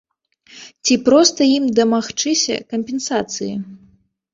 Ці проста ім дамагчыся кампенсацыі?